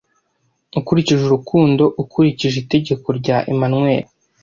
ukurikije urukundo ukurikije itegeko rya emmanuel